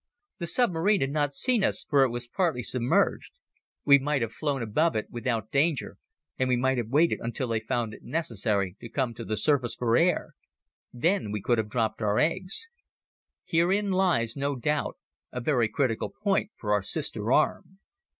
The submarine had not seen us for it was partly submerged. We might have flown above it without danger and we might have waited until they found it necessary to come to the surface for air. Then we could have dropped our eggs. Herein lies, no doubt, a very critical point for our sister arm.